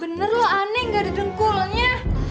bener lo aneh gak ada dengkulnya